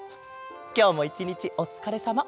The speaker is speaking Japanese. きょうもいちにちおつかれさま。